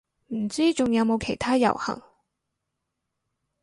唔知仲有冇其他遊行